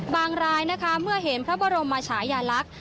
บางรายเมื่อเห็นพระบรมมาฉายาลักษณ์